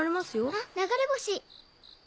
あっ流れ星！